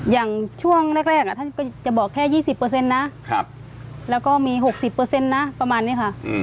อย่างช่วงแรกท่านก็จะบอกแค่๒๐นะแล้วก็มี๖๐นะประมาณนี้ค่ะ